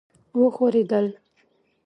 وښورېدل.